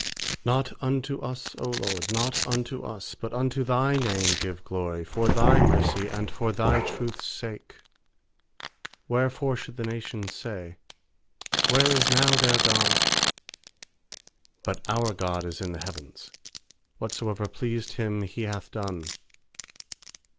1 1 K Not unto us, 0 LORD, not unto J Lt ' us, But unto Thy name give glory, For Thy mercy, and for Thy truth's 859 115.2 PSALMS Wherefore should the nations say 'Where is now their God?' 3But our God is in the heavens; Whatsoever pleased Him He hath done.